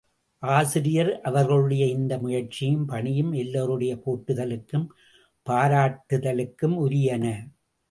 ஆசிரியர் அவர்களுடைய இந்த முயற்சியும், பணியும் எல்லோருடைய போற்றுதலுக்கும், பாராட்டுதலுக்கும் உரியன.